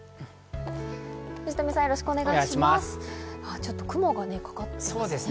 ちょっと雲がかかってますね。